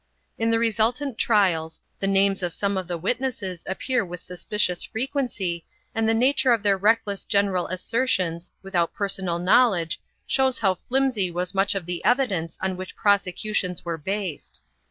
In the resultant trials the names of some of the wit nesses appear with suspicious frequency and the nature of their reckless general assertions, without personal knowledge, shows how flimsy was much of the evidence on which prosecutions were based.